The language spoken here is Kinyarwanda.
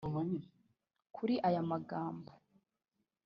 Kuri aya magambo